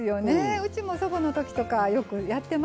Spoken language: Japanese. うちも祖母のときとかはよくやってましたけどもね